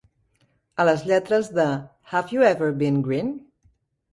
A les lletres de "Have You Ever Bean Green"?